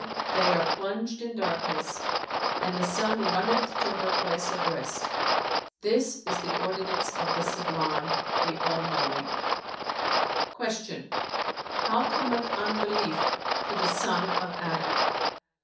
they are plunged in darkness, and the Sun runneth to her place of rest; this is the ordinance of the Sublime, the All knowing.'"[FN#430] Q "How cometh unbelief to the son of Adam?"